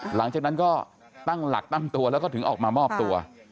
หลังจากนั้นก็ตั้งหลักตั้งตัวแล้วก็ถึงออกมามอบตัว